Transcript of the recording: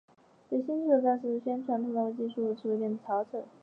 对新技术的大肆宣传通常会使技术词汇变成潮词。